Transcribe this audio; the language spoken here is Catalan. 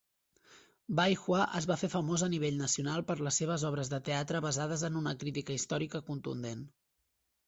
Bai Hua es va fer famós a nivell nacional per les seves obres de teatre basades en una crítica històrica contundent.